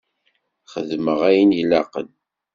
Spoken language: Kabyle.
Xeddmeɣ ayen i laqen.